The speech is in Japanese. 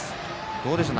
どうでしょう